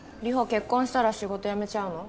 結婚したら仕事やめちゃうの？